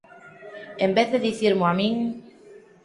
en vez de dicirmo a min?